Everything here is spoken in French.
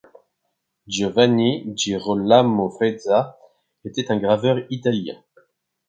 Giovanni Girolamo Frezza était un graveur italien.